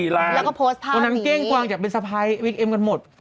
๒๔ล้านตัวน้ำเก้งกวางจากเป็นสะพายบิ๊กเอ็มกันหมดแล้วก็โพสต์ภาษี